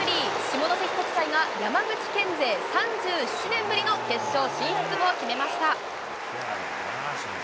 下関国際が山口県勢３７年ぶりの決勝進出を決めました。